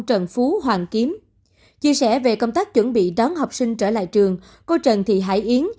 trần phú hoàn kiếm chia sẻ về công tác chuẩn bị đón học sinh trở lại trường cô trần thị hải yến